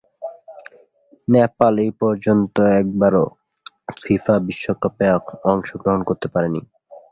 নেপাল এপর্যন্ত একবারও ফিফা বিশ্বকাপে অংশগ্রহণ করতে পারেনি।